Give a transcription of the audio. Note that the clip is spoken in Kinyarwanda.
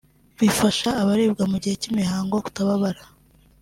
bifasha abaribwa mu gihe cy’imihango kutababara